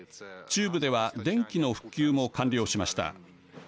中部では電気の復旧も完了しました。